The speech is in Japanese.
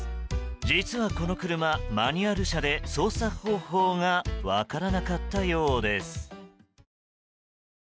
実はこの車、マニュアル車で操作方法が分からなかったようです。